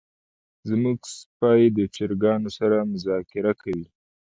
زمونږ سپی د چرګانو سره مذاکره کوي.